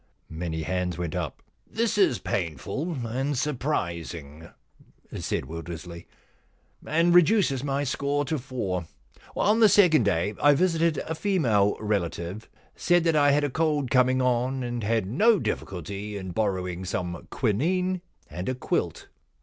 Many hands went up. * This is painful and surprising,' said Wil dersley, * and reduces my score to four. On the second day I visited a female relative, said that I had a cold coming on, and had no difficulty in borrowing some quinine and a quilt.'